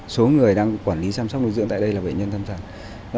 số người đang quản lý chăm sóc nuôi dưỡng tại đây là bệnh nhân tâm thần